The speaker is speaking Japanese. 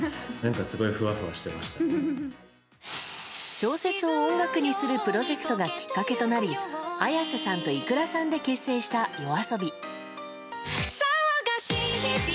小説を音楽にするプロジェクトがきっかけとなりＡｙａｓｅさんとｉｋｕｒａさんで結成したＹＯＡＳＯＢＩ。